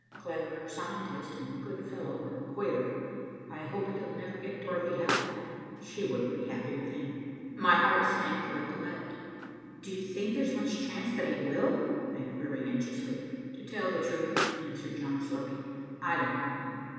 "Clever scientist and good fellow, but queer. I hope he'll never get Dorothy Haldane. She wouldn't be happy with him." My heart sank like lead. "Do you think there's much chance that he will?" I queried anxiously. "To tell the truth," answered John slowly, "I don't know."